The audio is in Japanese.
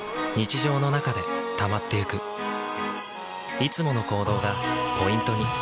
いつもの行動がポイントに。